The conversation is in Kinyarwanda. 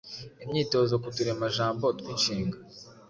Imyitozo ku turemajambo tw'inshinga